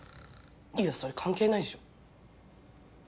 いやそれ関係ないでしょ。